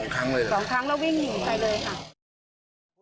ครั้งเลยเหรอ๒ครั้งแล้ววิ่งหนีไปเลยค่ะ